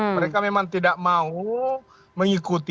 mereka memang tidak mau mengikuti